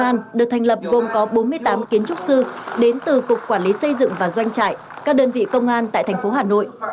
công an được thành lập gồm có bốn mươi tám kiến trúc sư đến từ cục quản lý xây dựng và doanh trại các đơn vị công an tại thành phố hà nội